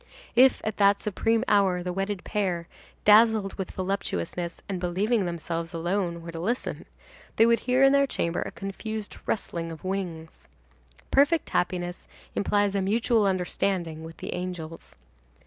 If at that supreme hour, the wedded pair, dazzled with voluptuousness and believing themselves alone, were to listen, they would hear in their chamber a confused rustling of wings. Perfect happiness implies a mutual understanding with the angels.